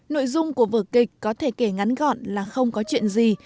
nội dung của vở kịch có thể kể ngắn gọn là không có chuyện gì